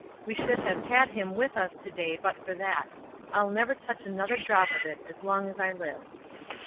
We should have had him with us to day but for that. I'll never touch another drop of it as long as I live."